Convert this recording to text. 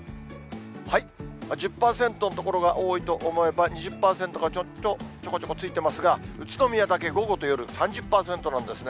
１０％の所が多いと思えば、２０％がちょっと、ちょこちょこついてますが、宇都宮だけ午後と夜、３０％なんですね。